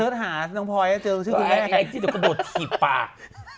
เยี่ยมมาก